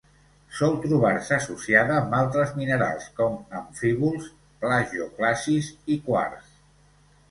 Sol trobar-se associada amb altres minerals com: amfíbols, plagiòclasis i quars.